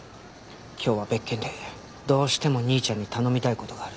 今日は別件でどうしても兄ちゃんに頼みたい事がある。